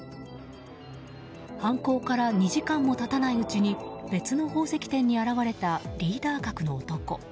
犯行から２時間も経たないうちに別の宝石店に現れたリーダー格の男。